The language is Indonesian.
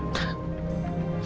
kamu nggak sedih